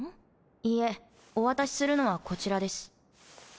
いいえお渡しするのはこちらです。